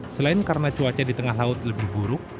selain karena cuaca di tengah laut lebih buruk